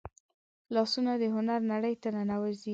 لاسونه د هنر نړۍ ته ننوځي